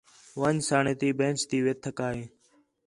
وَن٘ڄسݨ تی بینچ تی وِہ تھکا ہیں